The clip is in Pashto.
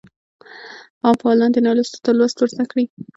عام فعالان دي نالوستو ته لوست ورزده کړي.